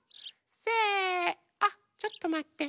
せあっちょっとまって。